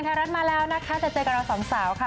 รัฐมาแล้วนะคะจะเจอกับเราสองสาวค่ะ